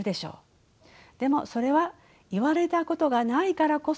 でもそれは言われたことがないからこそそう思えるのです。